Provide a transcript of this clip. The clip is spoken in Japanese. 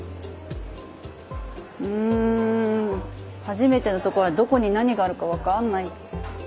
ん初めての所はどこに何があるか分かんない。